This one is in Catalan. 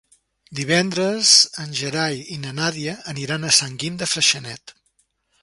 Divendres en Gerai i na Nàdia aniran a Sant Guim de Freixenet.